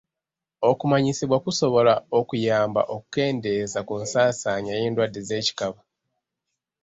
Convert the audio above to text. Okumanyisibwa kusobola okuyamba okukendeeza ku nsaansaanya y'endwadde z'ekikaba.